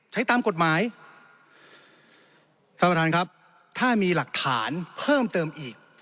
ใช้ตามกฎหมายท่านประธานครับถ้ามีหลักฐานเพิ่มเติมอีก